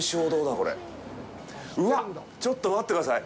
うわっ、ちょっと待ってください！